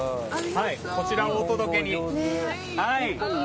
こちらをお届けに。